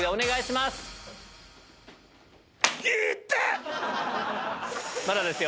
まだですよ。